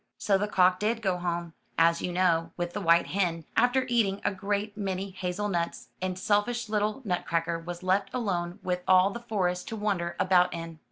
So the cock did go home, as you know, with the white hen, after eating a great many hazel nuts, and selfish little Nutcracker was left alone with all the forest to wander about in.